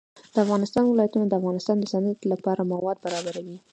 د افغانستان ولايتونه د افغانستان د صنعت لپاره مواد برابروي.